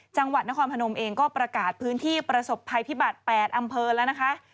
จังหวัดนครพนมเองก็ประกาศพื้นที่ประสบภัยพิบัตร๘อำเภอแล้วนะคะ